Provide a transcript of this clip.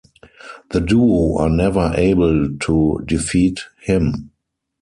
The duo are never able to defeat him.